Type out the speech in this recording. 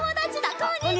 こんにちは。